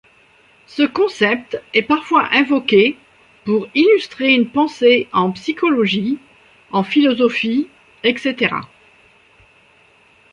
Ce concept est parfois invoqué pour illustrer une pensée en psychologie, en philosophie etc.